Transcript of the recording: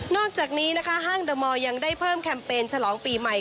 อกจากนี้นะคะห้างเดอร์มอลยังได้เพิ่มแคมเปญฉลองปีใหม่